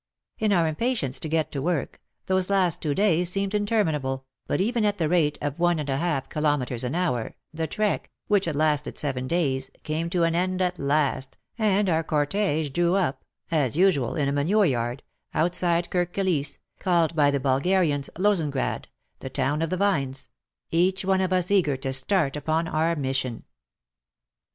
In our impatience to get to work, those last two days seemed interminable, but even at the rate of one and a half kilometres an hour, the trek, which had lasted seven days, came to an end at last, and our cortege drew up — as usual in a manure yard — outside Kirk Kilisse (called by the Bulgarians Lozengrad, the town of the vines), each one of us eager to start upon our mission.